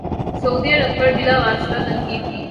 سعودی عرب پر بلا واسطہ تنقید کی تھی